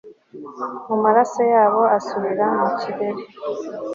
mu maraso yabo, asubira mu kirere